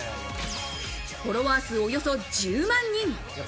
フォロワー数およそ１０万人。